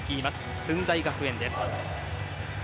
駿台学園です。